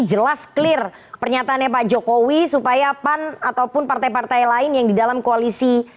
jelas clear pernyataannya pak jokowi supaya pan ataupun partai partai lain yang di dalam koalisi